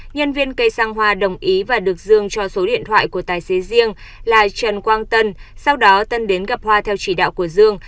nhân viên cây sang hoa đồng ý và được dương cho số điện thoại của tài xế riêng là trần quang tân sau đó tân đến gặp hoa theo chỉ đạo của dương